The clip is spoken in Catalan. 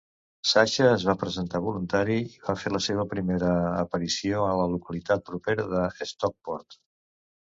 Sasha es va presentar voluntari i va fer la seva primera aparició a la localitat propera d'Stockport.